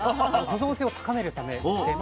保存性を高めるためでして。